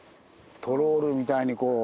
トロールみたいにこう